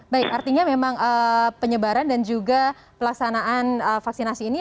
baik artinya memang penyebaran dan juga pelaksanaan vaksinasi ini